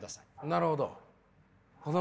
なるほど。